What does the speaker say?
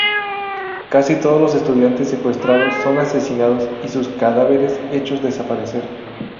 Casi todos los estudiantes secuestrados son asesinados y sus cadáveres hechos desaparecer.